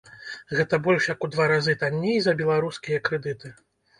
Гэта больш як у два разы танней за беларускія крэдыты!